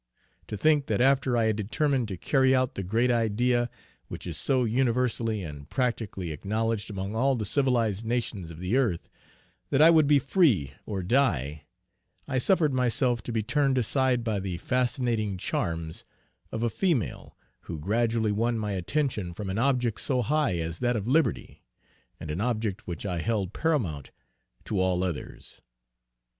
To think that after I had determined to carry out the great idea which is so universally and practically acknowledged among all the civilized nations of the earth, that I would be free or die, I suffered myself to be turned aside by the fascinating charms of a female, who gradually won my attention from an object so high as that of liberty; and an object which I held paramount to all others.